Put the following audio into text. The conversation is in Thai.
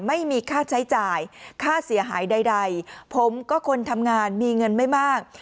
ไม่มีค่าใช้จ่ายค่าเสียหายใดผมก็คนทำงานมีเงินไม่มาก